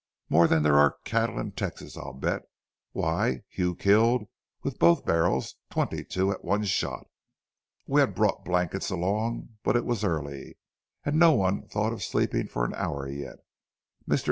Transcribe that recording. More than there are cattle in Texas, I'll bet. Why, Hugh killed, with both barrels, twenty two at one shot." We had brought blankets along, but it was early and no one thought of sleeping for an hour yet. Mr.